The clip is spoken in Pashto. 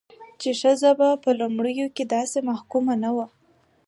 چې ښځه په لومړيو کې داسې محکومه نه وه،